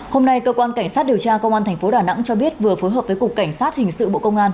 hôm nay cơ quan cảnh sát điều tra công an tp đà nẵng cho biết vừa phối hợp với cục cảnh sát hình sự bộ công an